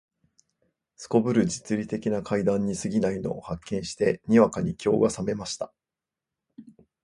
頗る実利的な階段に過ぎないのを発見して、にわかに興が覚めました